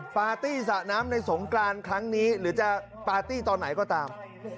ปาร์ตี้สระน้ำในสงกรานครั้งนี้หรือจะปาร์ตี้ตอนไหนก็ตาม